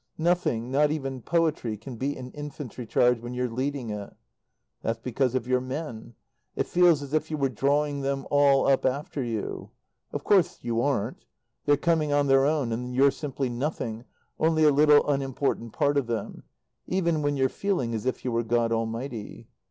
Nothing not even poetry can beat an infantry charge when you're leading it. That's because of your men. It feels as if you were drawing them all up after you. Of course you aren't. They're coming on their own, and you're simply nothing, only a little unimportant part of them even when you're feeling as if you were God Almighty.